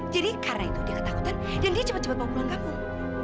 jadi karena itu dia ketakutan dan dia cepat cepat mau pulang kampung